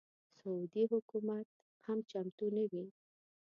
سعودي حکومت هم چمتو نه وي.